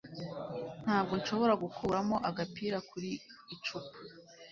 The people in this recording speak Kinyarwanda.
Ntabwo nshobora gukuramo agapira kuri icupa